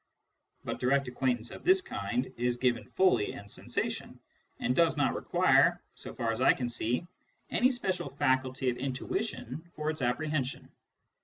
But direct acquaintance of this kind is given fully in sensation, and does not require, so far as I can see, any special faculty of intuition for its apprehension.